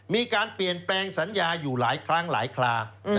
มีการเปลี่ยนแปลงสัญญาอยู่หลายครั้งหลายคลา